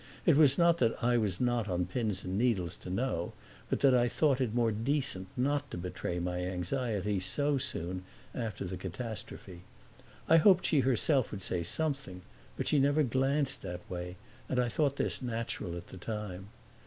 It was not that I was not on pins and needles to know, but that I thought it more decent not to betray my anxiety so soon after the catastrophe. I hoped she herself would say something, but she never glanced that way, and I thought this natural at the time.